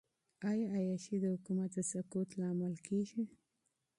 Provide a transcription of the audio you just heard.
آیا عیاشي د حکومت د سقوط لامل کیږي؟